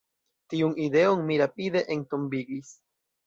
Tiun ideon mi rapide entombigis.